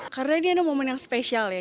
karena ini ada momen yang spesial ya